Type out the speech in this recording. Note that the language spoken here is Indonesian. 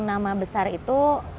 nama besar itu